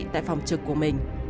tại phòng trực của mình